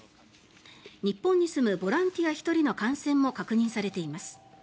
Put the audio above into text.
日本に住むボランティア１人の感染も確認されています。